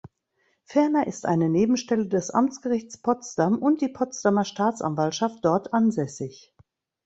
Ferner ist eine Nebenstelle des Amtsgerichts Potsdam und die Potsdamer Staatsanwaltschaft dort ansässig.